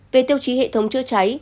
về tiêu chí hệ thống chữa cháy